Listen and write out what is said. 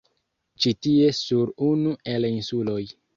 Ĉi tie sur unu el insuloj